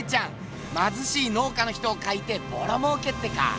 まずしい農家の人を描いてボロもうけってか？